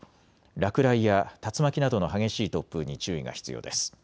落雷や竜巻などの激しい突風に注意が必要です。